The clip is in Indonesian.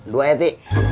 dua ya ti